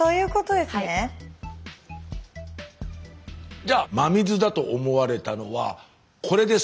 じゃあ真水だと思われたのはこれです。